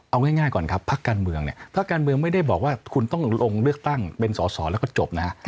เอาง่ายก่อนครับพักการเมืองเนี่ยพักการเมืองไม่ได้บอกว่าคุณต้องลงเลือกตั้งเป็นสอสอแล้วก็จบนะฮะ